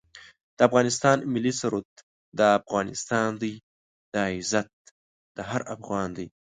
د افغانستان ملي سرود دا افغانستان دی دا عزت هر افغان دی